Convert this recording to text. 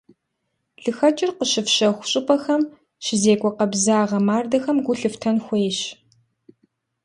ЛыхэкӀыр къыщыфщэху щӀыпӀэхэм щызекӀуэ къабзагъэ мардэхэм гу лъыфтэн хуейщ.